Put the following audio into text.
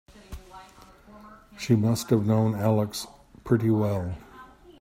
She must have known Alex pretty well.